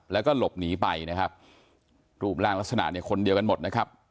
แล้วก็หลบหนีไปนะครับรูปร่างลักษณะเนี่ยคนเดียวกันหมดนะครับ